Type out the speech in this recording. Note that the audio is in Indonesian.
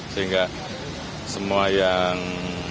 sehingga semua yang